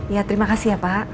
ya terima kasih ya pak